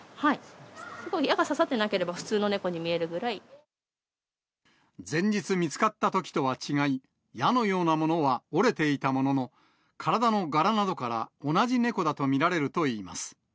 矢が刺さってなければ、普通の猫前日見つかったときとは違い、矢のようなものは折れていたものの、体の柄などから、同じ猫だと見られるといいます。